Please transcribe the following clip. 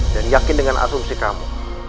dan yakin dengan asumsi kamu